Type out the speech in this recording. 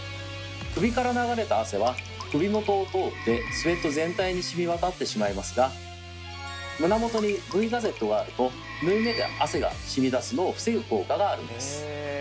首から流れた汗は首元を通ってスウェット全体に染み渡ってしまいますが胸元にＶガゼットがあると縫い目で汗が染み出すのを防ぐ効果があるんです。